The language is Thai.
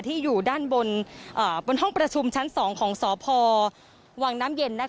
ที่อยู่ด้านบนห้องประชุมชั้น๒ของสพวังน้ำเย็น